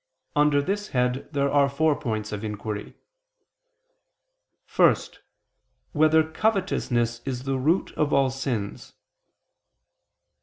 Under this head there are four points of inquiry: (1) Whether covetousness is the root of all sins?